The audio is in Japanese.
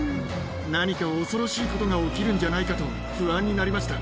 何か恐ろしいことが起きるんじゃないかと不安になりました。